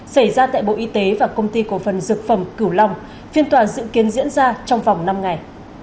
xảy ra tại bộ y tế và công ty cổ phần dược phẩm cửu long phiên tòa dự kiến diễn ra trong vòng năm ngày